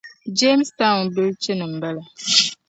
Jamestown bilichini m-bala